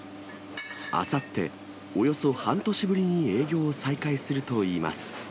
あさって、およそ半年ぶりに営業を再開するといいます。